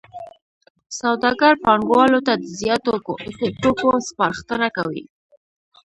سوداګر پانګوالو ته د زیاتو توکو سپارښتنه کوي